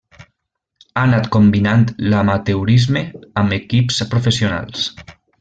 Ha anat combinant l'amateurisme amb equips professionals.